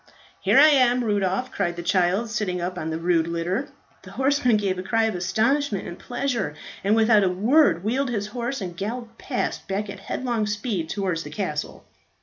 "Here I am, Rudolph," cried the child, sitting up on the rude litter. The horseman gave a cry of astonishment and pleasure, and without a word wheeled his horse and galloped past back at headlong speed towards the castle.